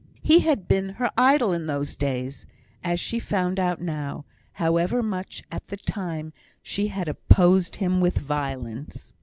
He had been her idol in those days, as she found out now, however much at the time she had opposed him with violence.